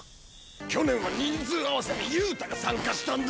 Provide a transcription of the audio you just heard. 去年は人数合わせで憂太が参加したんだ。